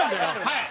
はい！